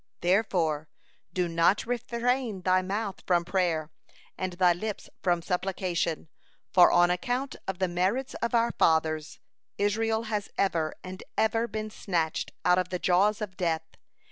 Therefore, do not refrain thy mouth from prayer, and thy lips from supplication, for on account of the merits of our fathers, Israel has ever and ever been snatched out of the jaws of death.